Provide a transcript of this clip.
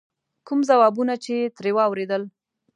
کوم ځوابونه چې یې ترې واورېدل.